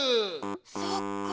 そっか。